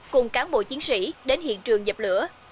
cùng cán bộ chiến sĩ đến hiện trường dập lửa